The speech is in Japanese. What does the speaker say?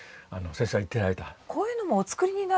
こういうのもお作りになる。